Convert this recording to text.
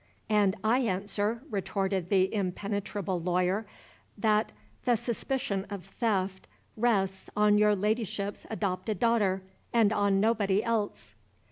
"And I answer," retorted the impenetrable lawyer, "that the suspicion of theft rests on your Ladyship's adopted daughter, and on nobody else."